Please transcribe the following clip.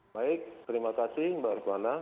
baik terima kasih mbak rifana